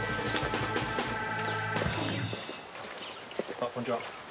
あっこんにちは。